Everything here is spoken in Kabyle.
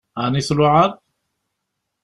Ɛni tluɛaḍ?